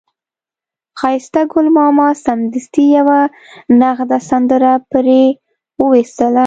ښایسته ګل ماما سمدستي یوه نغده سندره پرې وویستله.